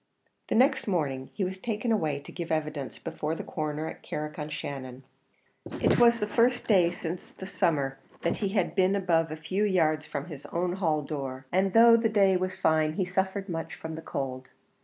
The next morning he was taken away to give evidence before the Coroner at Carrick on Shannon. It was the first day since the summer that he had been above a few yards from his own hall door, and though the day was fine, he suffered much from the cold.